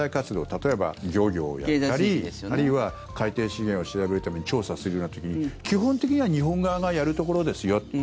例えば漁業だったりあるいは海底資源を調べるために調査するような時に基本的には日本側がやるところですよって。